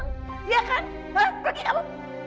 iya kan pergi kamu